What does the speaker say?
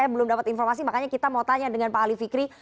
saya belum dapat informasi makanya kita mau tanya dengan pak ali fikri